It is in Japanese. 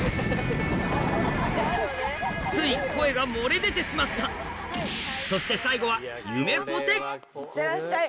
つい声が漏れ出てしまったそして最後はゆめぽていってらっしゃい。